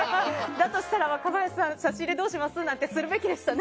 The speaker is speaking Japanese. だとしたら、若林さん差し入れどうします？なんてするべきでしたね。